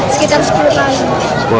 sekitar sepuluh kali